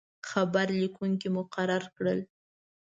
خبر لیکونکي مقرر کړل.